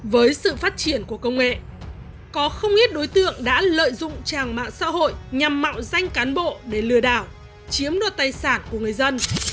với sự phát triển của công nghệ có không ít đối tượng đã lợi dụng trang mạng xã hội nhằm mạo danh cán bộ để lừa đảo chiếm đoạt tài sản của người dân